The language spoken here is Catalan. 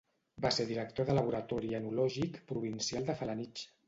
Va ser director de Laboratori Enològic Provincial de Felanitx.